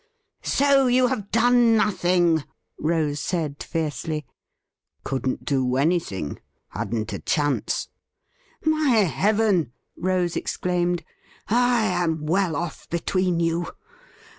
' So you have done nothing •' Rose said fiercely, ' Couldn't do anything. Hadn't a chance.' ' My Heaven !' Rose exclaimed, ' I am well off between you.